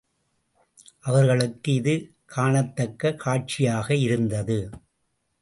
அவர்களுக்கு இது காணத்தக்க காட்சியாக இருந்தது.